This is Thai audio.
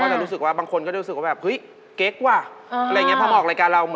ผมเลี้ยงข้าวพี่พี่ก็มาออกรายการให้ผม